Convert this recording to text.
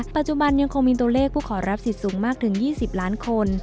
ปัจจุบันยังคงมีตัวเลขผู้ขอรับสิทธิ์สูงมากถึง๒๐ล้านคน